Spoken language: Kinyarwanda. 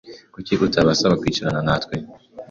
Kuki utasaba kwicarana natwe?